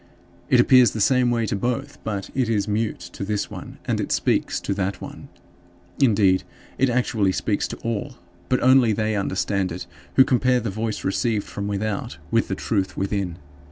It appears the same way to both; but it is mute to this one and it speaks to that one. Indeed, it actually speaks to all, but only they understand it who compare the voice received from without with the truth within.